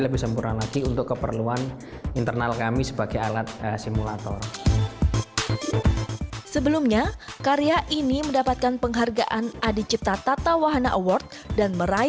lebih sempurna lagi untuk keperluan internal kami sebagai alat simulator